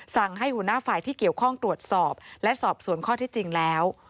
สั่งให้หัวหน้าฝ่ายที่เกี่ยวข้องตรวจสอบและสอบสวนข้อที่จริงแล้ว